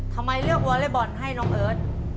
ทำไมเลือกวอเล็กบอลให้น้องเอิร์ท